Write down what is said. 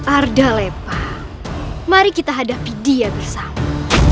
arda lepa mari kita hadapi dia bersama